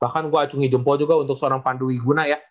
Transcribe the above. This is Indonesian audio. bahkan gue acungi jempol juga untuk seorang pandu iguna ya